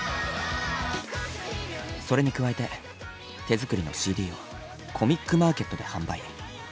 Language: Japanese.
それに加えて手作りのＣＤをコミックマーケットで販売。